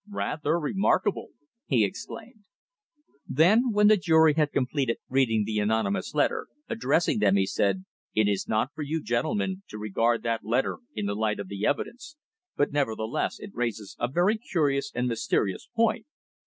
"Rather remarkable!" he exclaimed. Then, when the jury had completed reading the anonymous letter, addressing them, he said: "It is not for you, gentlemen, to regard that letter in the light of evidence, but, nevertheless, it raises a very curious and mysterious point.